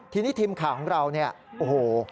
ทีนี้ทีมข่าวของเราเนี่ยโอ้โห